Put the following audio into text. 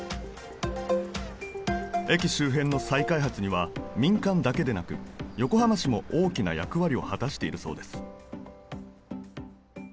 駅周辺の再開発には民間だけでなく横浜市も大きな役割を果たしているそうです